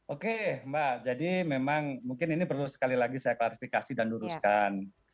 oke mbak jadi memang mungkin ini perlu sekali lagi saya klarifikasi dan luruskan